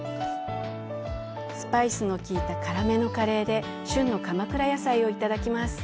スパイスのきいた辛めのカレーで旬の鎌倉野菜をいただきます。